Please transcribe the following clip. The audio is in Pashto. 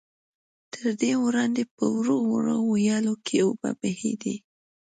تر دې وړاندې په وړو وړو ويالو کې اوبه بهېدې.